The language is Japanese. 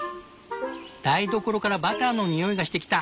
台所からバターの匂いがしてきた。